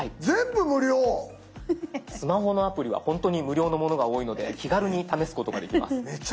スマホアプリはほんとに無料のものが多いので気軽に試すことができます。